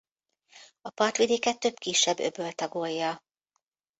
A partvidéket több kisebb öböl tagolja.